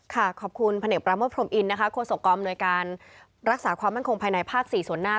ค่ะขอบคุณพระเนกประมวลพรมอินครัวสกรรมโดยการรักษาความมั่งคงภายในภาคสี่ส่วนหน้า